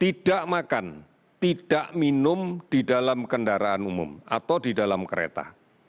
tidak makan tidak minum di dalam kendaraan umum atau di dalam kereta